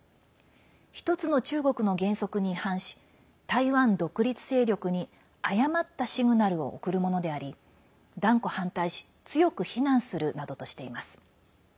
一つの中国の原則に違反し台湾独立勢力に誤ったシグナルを送るものであり断固反対し強く非難するなどとしています。